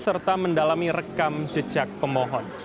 serta mendalami rekam jejak pemohon